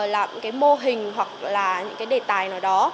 làm cái mô hình hoặc là những cái đề tài nào đó